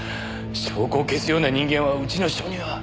証拠を消すような人間はうちの署には。